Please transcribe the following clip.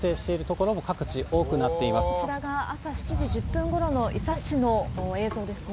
こちらが朝７時１０分ごろの伊佐市の映像ですね。